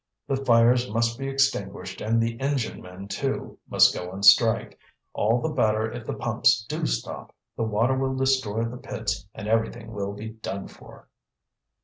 The fires must be extinguished, and the engine men, too, must go on strike. All the better if the pumps do stop! the water will destroy the pits and everything will be done for!"